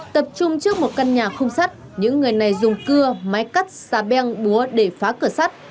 tập trung trước một căn nhà khung sắt những người này dùng cưa máy cắt xà beng búa để phá cửa sắt